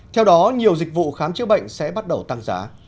theo đó nhiều dịch vụ khám chữa bệnh sẽ bắt đầu tăng giá